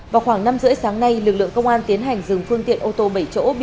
vào khoảng năm h ba mươi sáng nay lực lượng công an tiến hành dừng phương tiện ô tô bảy chỗ